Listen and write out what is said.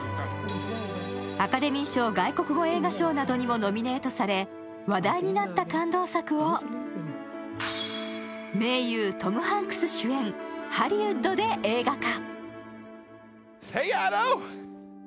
アカデミー賞外国語映画賞などにもノミネートされ話題となった感動作を名優、トム・ハンクス主演、ハリウッドで映画化。